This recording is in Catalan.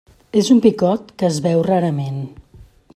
És un picot que es veu rarament.